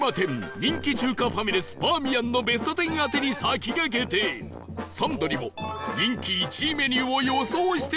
人気中華ファミレスバーミヤンのベスト１０当てに先駆けてサンドにも人気１位メニューを予想していただこう